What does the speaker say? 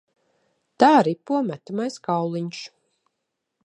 Tā ripo metamais kauliņš.